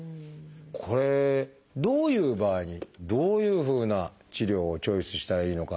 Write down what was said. これどういう場合にどういうふうな治療をチョイスしたらいいのか。